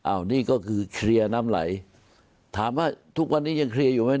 อันนี้ก็คือเคลียร์น้ำไหลถามว่าทุกวันนี้ยังเคลียร์อยู่ไหม